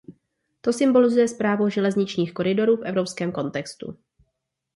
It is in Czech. To symbolizuje správu železničních koridorů v evropském kontextu.